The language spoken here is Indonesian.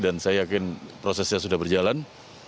dan saya yakin prosesnya sudah berjalan